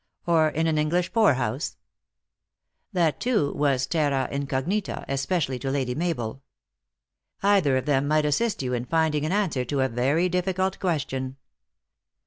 " Or in an English poor house ?" Thatj too, was terra incognita, especially to Lady Mabel. "Either of them might assist you in finding an an swer to a very difficult question.